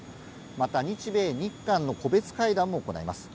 また、日米・日韓の個別会談も行います。